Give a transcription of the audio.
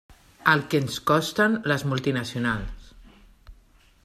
El que ens costen les multinacionals.